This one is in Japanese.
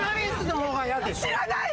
知らない！